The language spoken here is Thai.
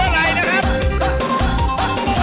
เวลาดีเล่นหน่อยเล่นหน่อย